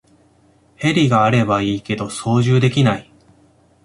ヘリがあればいいけど操縦できない